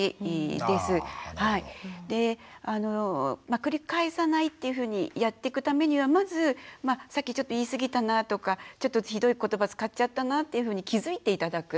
で繰り返さないっていうふうにやってくためにはまずさっきちょっと言い過ぎたなとかちょっとひどい言葉使っちゃったなっていうふうに気付いて頂く。